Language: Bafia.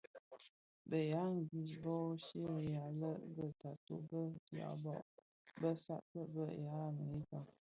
Bë ya ngris bö sherènga lè be taatôh bë dyaba bë saad bë bë ya Amerika.